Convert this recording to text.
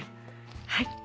はい。